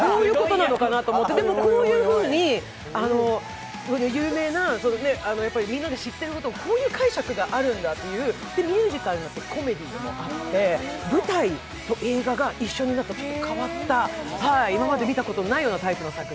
でも、こういうふうに有名な、みんなが知ってることをこういう解釈があるんだというミュージカルでもあってコメディーでもあって舞台と映画が一緒になった変わった今まで見たことのないような作品。